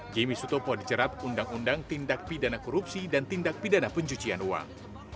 jimmy sutopo dijerat undang undang tindak pidana korupsi dan tindak pidana pencucian uang